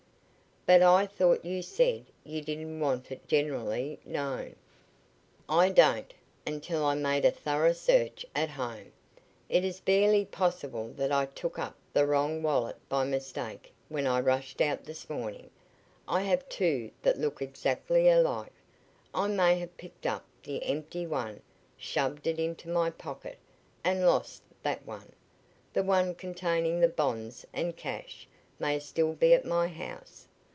"But I thought you said you didn't want it generally known." "I don't, until I have made a thorough search at home. It is barely possible that I took up the wrong wallet by mistake when I rushed out this morning. I have two that look exactly alike. I may have picked up the empty one, shoved it into my pocket, and lost that one. The one containing the bonds and cash may still be at my house.